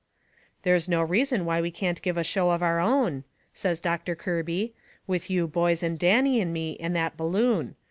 "There's no reason why we can't give a show of our own," says Doctor Kirby, "with you boys and Danny and me and that balloon.